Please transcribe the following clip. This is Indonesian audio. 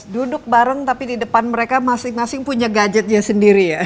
duduk bareng tapi di depan mereka masing masing punya gadgetnya sendiri ya